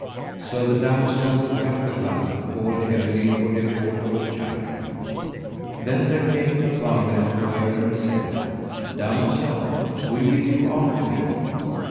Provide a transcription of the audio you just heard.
So the damosel took up the glove all heavily for default of a champion. Then there came a varlet to her and said: Damosel, will ye do after me?